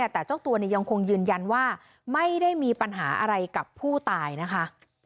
แต่เจ้าตัวยังคงยืนยันว่าไม่ได้มีปัญหาอะไรกับผู้ตายนะคะ